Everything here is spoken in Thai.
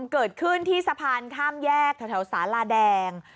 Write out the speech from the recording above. เกิดขึ้นที่สะพานข้ามแยกแถวสาลาแดง